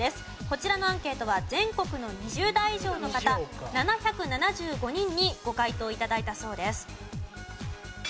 こちらのアンケートは全国の２０代以上の方７７５人にご回答頂いたそうです。